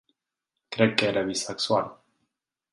Crec que era bisexual.